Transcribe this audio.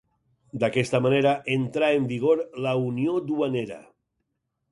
D'aquesta manera entrà en vigor la Unió Duanera.